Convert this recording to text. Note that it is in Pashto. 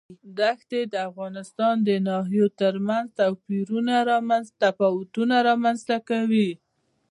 دښتې د افغانستان د ناحیو ترمنځ تفاوتونه رامنځ ته کوي.